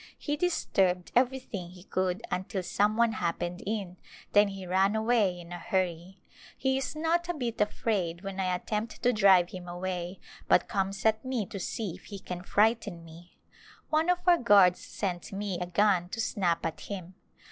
He disturbed everything he could until some one happened in, then he ran away in a hurry. He is not a bit afraid when I attempt to drive him away but comes at me to see if he can frighten me. One of our guards sent me a gun to snap at him.